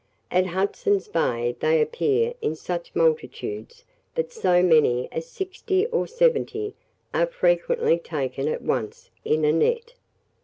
At Hudson's Bay they appear in such multitudes that so many as sixty or seventy are frequently taken at once in a net.